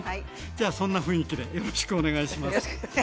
じゃあそんな雰囲気でよろしくお願いします。